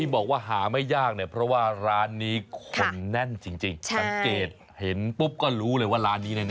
บอกว่าหาไม่ยากเนี่ยเพราะว่าร้านนี้คนแน่นจริงสังเกตเห็นปุ๊บก็รู้เลยว่าร้านนี้แน่